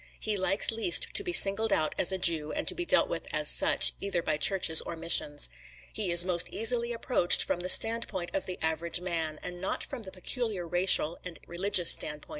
He likes least to be singled out as a Jew and to be dealt with as such, either by churches or missions. He is most easily approached from the standpoint of the average man, and not from the peculiar racial and religious standpoint of the Jew.